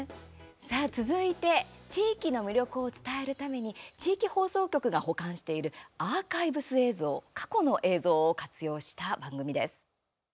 さあ続いて、地域の魅力を伝えるために地域放送局が保管しているアーカイブス映像過去の映像を活用した番組です。